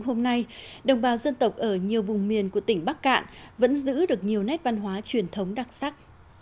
hôm nay đồng bào dân tộc ở nhiều vùng miền của tỉnh bắc cạn vẫn giữ được nhiều nét văn hóa truyền thống đặc sắc